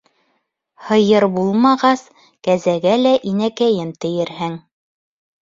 Һыйыр булмағас, кәзәгә лә «инәкәйем», тиерһең.